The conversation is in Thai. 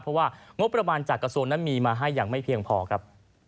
เพราะว่างบประมาณจากกระทรวงนั้นมีมาให้อย่างไม่เพียงพอครับ